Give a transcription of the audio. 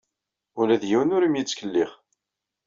Ula d yiwen ur am-yettkellix.